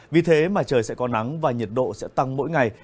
vì thế mà trời sẽ có nắng và nhiệt độ sẽ tăng mỗi ngày